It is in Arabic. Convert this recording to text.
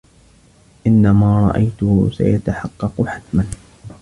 إنّ ما رأيته سيتحقّق حتما.